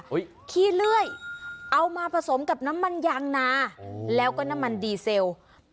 ขี้เลื่อยเอามาผสมกับน้ำมันยางนาแล้วก็น้ำมันดีเซล